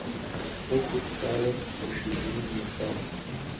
Ӏуэхур щауэр ишыжыным нэсат.